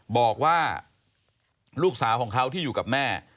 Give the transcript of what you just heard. บอกว่าลูกสาวของเขาที่อยู่กับแม่